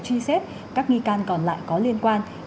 truy xét các nghi can còn lại có liên quan